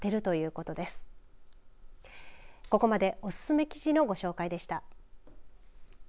ここまでおすすめ記事のご紹介でした。